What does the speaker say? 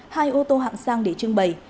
hai ô tô hạng sang để trưng bày